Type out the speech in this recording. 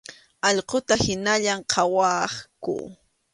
Allquta hinallaña qhawaqku.